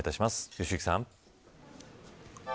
良幸さん。